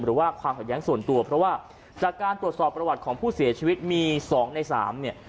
หรือว่าความขัดแย้งส่วนตัวเพราะว่าจากการตรวจสอบประวัติของผู้เสียชีวิตมี๒ใน๓เนี่ย